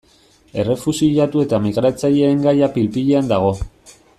Errefuxiatu eta migratzaileen gaia pil-pilean dago.